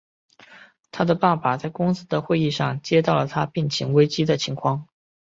他的爸爸在公司的会议上接到了他病情危机的情况。